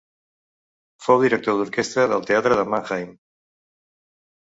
Fou director d'orquestra del teatre de Mannheim.